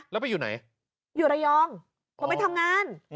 แล้วไปอยู่ไหนอยู่ระยองผมไปทำงาน